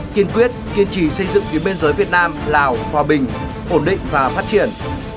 kiên quyết kiên trì xây dựng tuyến biên giới việt nam lào hòa bình ổn định và phát triển